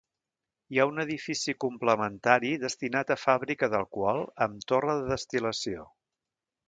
Hi ha un edifici complementari destinat a fàbrica d'alcohol amb torre de destil·lació.